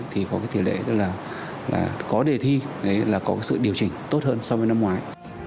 thì có cái tỷ lệ là có đề thi có sự điều chỉnh tốt hơn so với năm ngoái